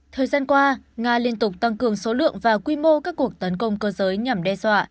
thời gian qua nga liên tục tăng cường số lượng và quy mô các cuộc tấn công cơ giới nhằm đe dọa